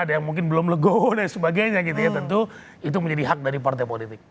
ada yang mungkin belum legowo dan sebagainya gitu ya tentu itu menjadi hak dari partai politik